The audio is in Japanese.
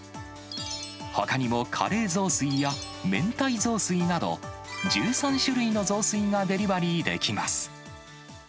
ほかにもカレー雑炊や、めんたい雑炊など、１３種類の雑炊がデリバリーできます。